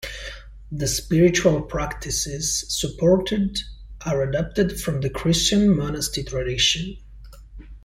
The spiritual practices supported are adapted from the Christian monastic tradition.